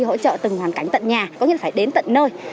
hỗ trợ từng hoàn cảnh tận nhà có nghĩa là phải đến tận nơi